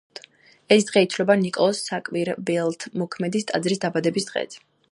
ეს დღე ითვლება ნიკოლოზ საკვირველთმოქმედის ტაძრის დაბადების დღედ.